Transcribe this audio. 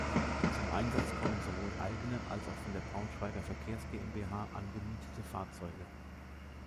Zum Einsatz kommen sowohl eigene als auch von der Braunschweiger Verkehrs-GmbH angemietete Fahrzeuge.